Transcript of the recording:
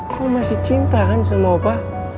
kau masih cinta kan sama opa